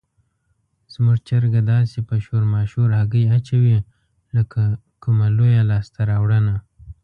زموږ چرګه داسې په شور ماشور هګۍ اچوي لکه کومه لویه لاسته راوړنه.